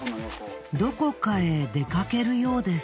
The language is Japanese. どこかへ出かけるようです。